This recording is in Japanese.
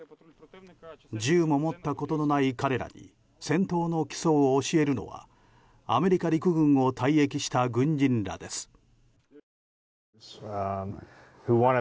銃も持ったことのない彼らに戦闘の基礎を教えるのはアメリカ陸軍を退役した軍人らです。